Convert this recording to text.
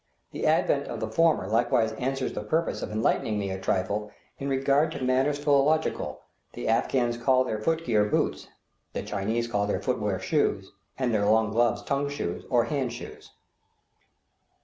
The advent of the former likewise answers the purpose of enlightening me a trifle in regard to matters philological; the Afghans call their foot gear "boots" (the Chinese call their foot wear "shoes," and their gloves "tung shoes," or hand shoes).